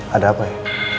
ada apa ya